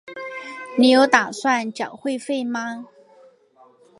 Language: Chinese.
你有打算缴会费吗？